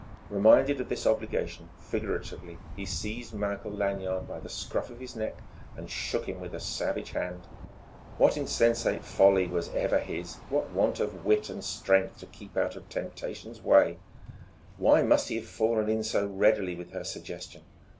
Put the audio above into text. Reminded of this obligation, figuratively he seized Michael Lanyard by the scruff of his neck and shook him with a savage hand. What insensate folly was ever his, what want of wit and strength to keep out of temptation's ways! Why must he have fallen in so readily with her suggestion?